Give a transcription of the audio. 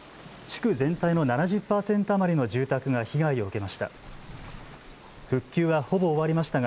地区全体の７０％余りの住宅が被害を受けました。